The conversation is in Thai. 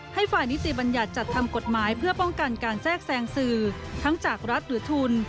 ให้ฝ่ายนิติบัญญัติจัดทำกฎหมายเพื่อป้องกันการแทรกแซงสื่อทั้งจากรัฐหรือทุน